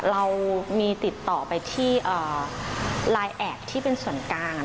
เรามีติดต่อไปที่ไลน์แอบที่เป็นส่วนกลาง